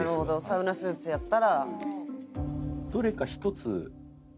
サウナスーツやったら。